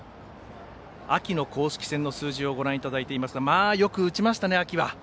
秋の公式戦の数字をご覧いただいていますがよく打ちましたね、秋は。